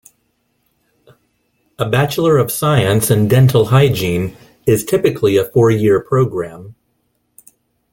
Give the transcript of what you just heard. A Bachelor of Science in Dental Hygiene is typically a four-year program.